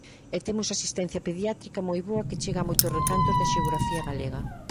E temos asistencia pediátrica moi boa que chega a moitos recantos da xeografía galega.